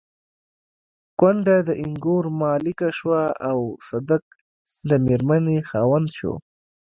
کونډه د اينګور مالکه شوه او صدک د مېرمنې خاوند شو.